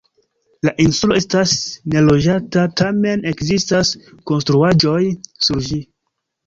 La insulo estas neloĝata, tamen ekzistas konstruaĵoj sur ĝi.